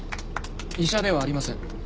医者ではありません。